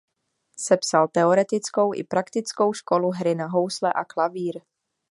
Sepsal teoretickou i praktickou školu hry na housle a klavír.